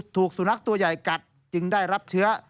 ถูกสุนัขตัวใหญ่กัดจึงได้รับเชื้อ